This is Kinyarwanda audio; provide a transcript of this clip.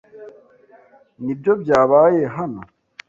Nibyo byabaye hano?